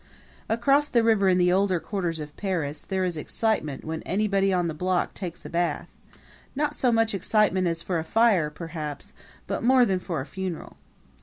Across the river, in the older quarters of Paris, there is excitement when anybody on the block takes a bath not so much excitement as for a fire, perhaps, but more than for a funeral.